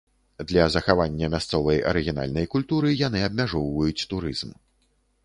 Для захавання мясцовай арыгінальнай культуры яны абмяжоўваюць турызм.